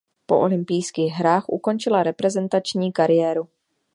Po olympijských hrách ukončila reprezentační kariéru.